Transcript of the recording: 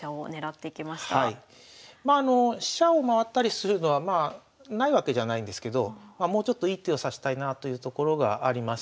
まあ飛車を回ったりするのはないわけじゃないんですけどもうちょっと一手を指したいなというところがあります。